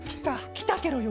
きたケロよ。